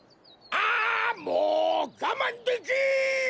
あもうがまんできん！